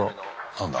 何だ？